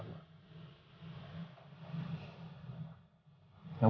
mama cerita ya